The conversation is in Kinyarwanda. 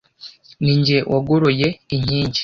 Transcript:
ni jye wagoroye inkingi.